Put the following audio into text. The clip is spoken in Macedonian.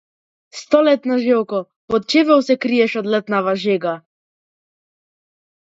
Столетна желко, под чевел се криеш од летнава жега!